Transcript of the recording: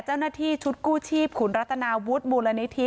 เจ้าหน้าที่ชุดกู้ชีพขุนรัตนาวุฒิมูลนิธิ